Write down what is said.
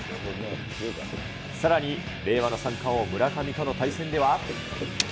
さらに令和の三冠王、村上との対戦では。